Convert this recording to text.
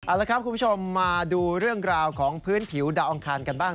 เอาละครับคุณผู้ชมมาดูเรื่องราวของพื้นผิวดาวอังคารกันบ้าง